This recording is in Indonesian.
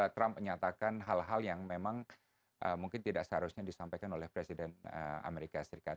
trump menyatakan hal hal yang memang mungkin tidak seharusnya disampaikan oleh presiden amerika serikat